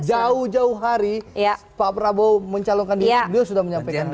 jauh jauh hari pak prabowo mencalonkan diri beliau sudah menyampaikan